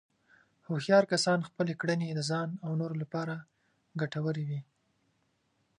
هوښیار کسان خپلې کړنې د ځان او نورو لپاره ګټورې وي.